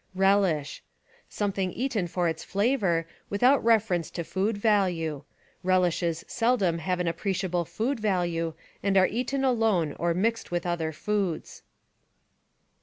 Relish — Something eaten for its flavor, without reference to food value. Rehshes seldom have an appreciable food value and are eaten alone or mixed with other foods.